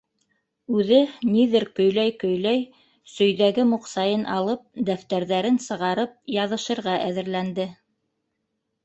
Үҙе, ниҙер көйләй-көйләй, сөйҙәге муҡсайын алып, дәфтәрҙәрен сығарып, яҙышырға әҙерләнде.